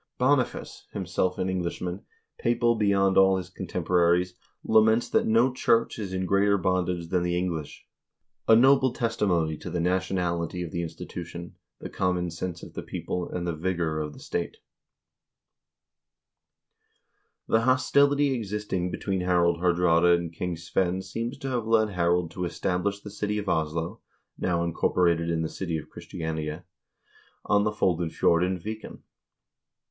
Boniface, himself an Englishman, papal beyond all his contemporaries, laments that no church is in greater bondage than the English, — a noble testimony to the nationality of the institu tion, the common sense of the people, and the vigor of the state I" The hostility existing between Harald Haardraade and King Svein seems to have led Harald to establish the city of Oslo (now incorporated in the city of Christiania) on the Foldenfjord in Viken.